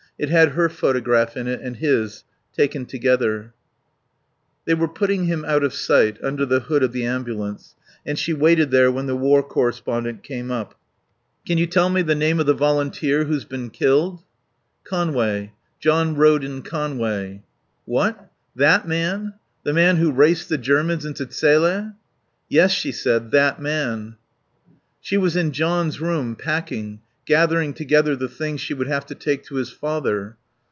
It had her photograph in it and his, taken together. They were putting him out of sight, under the hood of the ambulance, and she waited there when the war correspondent came up. "Can you tell me the name of the volunteer who's been killed?" "Conway. John Roden Conway." "What? That man? The man who raced the Germans into Zele?" "Yes," she said, "that man." She was in John's room, packing, gathering together the things she would have to take to his father.